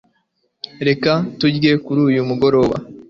Reka turye kuri uyu mugoroba